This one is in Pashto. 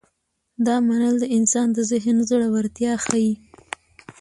دا منل د انسان د ذهن زړورتیا ښيي.